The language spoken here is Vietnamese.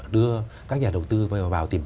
đưa các nhà đầu tư vào tìm